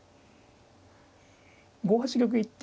５八玉と一手